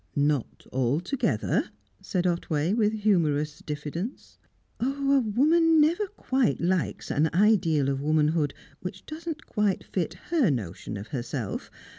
"Not altogether?" said Otway, with humorous diffidence. "Oh! A woman never quite likes an ideal of womanhood which doesn't quite fit her notion of herself.